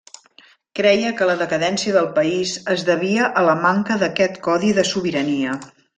Creia que la decadència del país es devia a la manca d'aquest codi de sobirania.